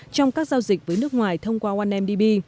trong các giao dịch với nước ngoài thông qua winmdb